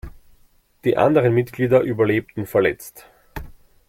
Die anderen Mitglieder überlebten verletzt.